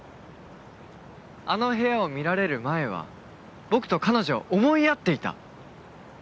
あの部屋を見られる前は僕と彼女は思い合っていた。